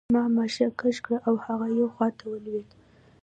ما ماشه کش کړه او هغه یوې خواته ولوېد